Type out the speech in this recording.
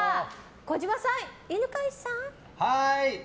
児嶋さん、犬飼さん！